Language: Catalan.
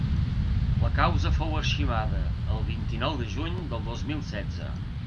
La causa fou arxivada el vint-i-nou de juny de dos mil setze.